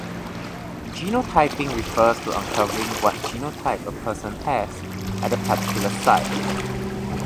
Genotyping refers to uncovering what genotype a person has at a particular site.